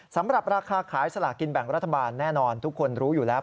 สำหรับราคาขายสลากินแบ่งรัฐบาลแน่นอนทุกคนรู้อยู่แล้ว